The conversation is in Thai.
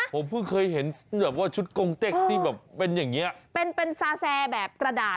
ผมเพิ่งเคยเห็นชุดกงเต็กเป็นแบบเป็นสาแซแบบกระดาษ